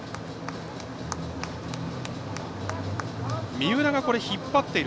三浦が引っ張っている。